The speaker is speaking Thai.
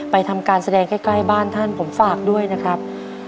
ทำการแสดงใกล้บ้านท่านผมฝากด้วยนะครับ